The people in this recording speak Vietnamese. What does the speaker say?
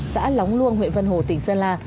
xã lóng luông huyện vân hồ tỉnh sơn la